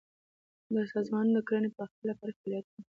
دا سازمانونه د کرنې پراختیا لپاره فعالیت کوي.